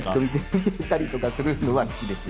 見てたりするのは好きですよ。